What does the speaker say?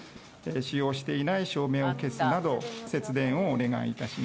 「使用していない照明を消すなど節電をお願いします」